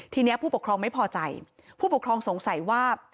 ทีนี้ผู้ปกครองไม่พอใจผู้ปกครองสงสัยว่า